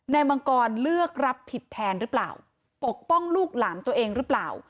มังกรเลือกรับผิดแทนหรือเปล่าปกป้องลูกหลานตัวเองหรือเปล่า